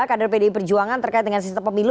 kader pdi perjuangan terkait dengan sistem pemilu